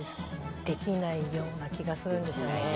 できないような気がするんですよね。